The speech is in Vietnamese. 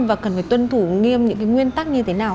và cần phải tuân thủ nghiêm những cái nguyên tắc như thế nào